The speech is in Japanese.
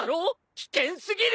危険すぎる！